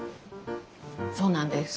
そうなんです。